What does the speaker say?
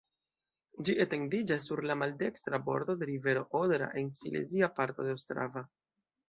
Ĝi etendiĝas sur la maldekstra bordo de rivero Odra en silezia parto de Ostrava.